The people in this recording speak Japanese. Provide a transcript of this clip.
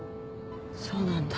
そうなんだ。